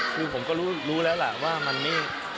คือผมก็รู้แล้วล่ะว่ามันไม่